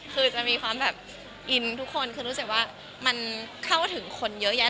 คือจะมีความแบบอินทุกคนคือรู้สึกว่ามันเข้าถึงคนเยอะแยะ